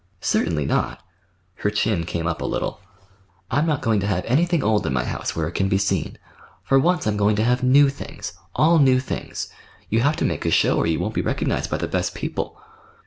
"Certainly not." Her chin came up a little. "I'm not going to have anything old in my house—where it can be seen—For once I'm going to have new things—all new things. You have to make a show or you won't be recognized by the best people."